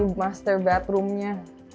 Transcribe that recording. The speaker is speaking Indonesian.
wah ini master bedroomnya